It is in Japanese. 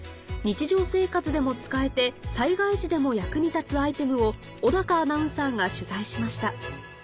日常生活でも使えて災害時でも役に立つアイテムを小アナウンサーが取材しました